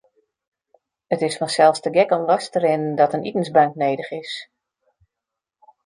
It is fansels te gek om los te rinnen dat in itensbank nedich is.